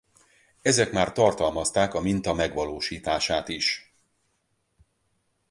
Ezek már tartalmazták a minta megvalósítását is.